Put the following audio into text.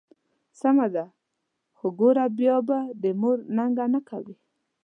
سمه ده، خو ګوره بیا به د مور ننګه نه کوې.